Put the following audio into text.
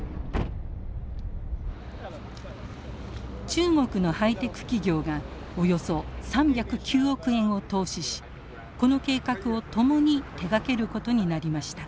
中国のハイテク企業がおよそ３０９億円を投資しこの計画を共に手がけることになりました。